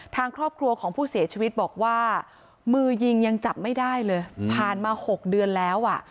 ทางครอบครัวของผู้เสียชีวิตบอกว่ามือยิงยังจับไม่ได้เลยผ่านมา๖เดือนแล้วอ่ะ